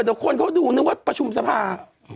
เดี๋ยวคนเขาดูนึกว่าประชุมสภา